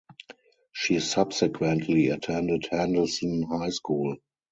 She subsequently attended Henderson High School.